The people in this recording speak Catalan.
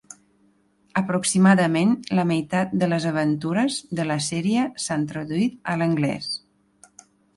Aproximadament la meitat de les aventures de la sèrie s'han traduït a l'anglès.